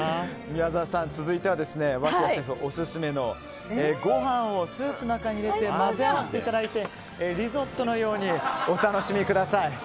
宮澤さん、続いては脇屋シェフオススメのご飯をスープの中に入れて混ぜ合わせていただいてリゾットのようにお楽しみください。